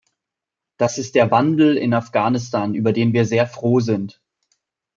Das ist der Wandel in Afghanistan, über den wir sehr froh sind.